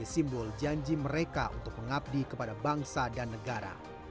simbol janji mereka untuk mengabdi kepada bangsa dan negara